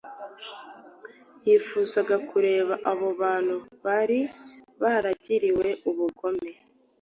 Yifuzaga kureba abo bantu bari baragiriwe ubugome